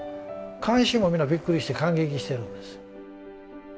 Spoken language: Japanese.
観衆も皆びっくりして感激してるんです。